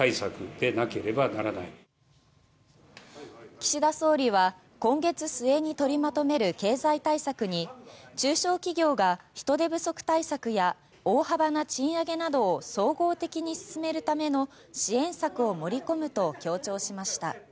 岸田総理は今月末に取りまとめる経済対策に中小企業が人手不足対策や大幅な賃上げなどを総合的に進めるための支援策を盛り込むと強調しました。